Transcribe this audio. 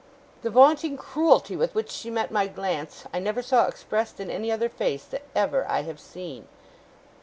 The vaunting cruelty with which she met my glance, I never saw expressed in any other face that ever I have seen.